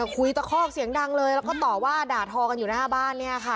คุยตะคอกเสียงดังเลยแล้วก็ต่อว่าด่าทออยู่หน้าบ้าน